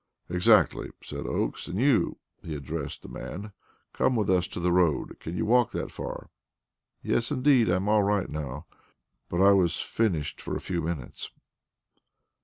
"Exactly!" said Oakes. "And you" he addressed the man "come with us to the road. Can you walk that far?" "Yes, indeed. I am all right now, but I was finished for a few minutes."